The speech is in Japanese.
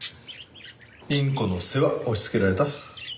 インコの世話押しつけられた？